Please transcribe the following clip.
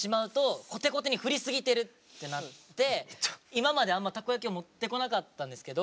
今まであんまたこ焼きを持ってこなかったんですけど。